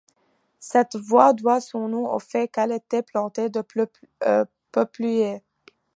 Cette voie doit son nom au fait qu'elle était plantée de peupliers.